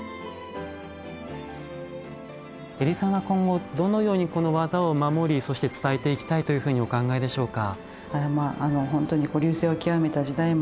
江里さんは今後どのようにこの技を守りそして伝えていきたいというふうにお考えでしょうか？